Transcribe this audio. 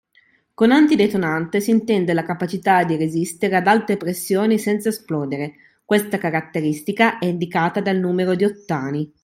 Con antidetonante si intende la capacità di resistere ad alte pressioni senza esplodere, questa caratteristica è indicata dal numero di ottani.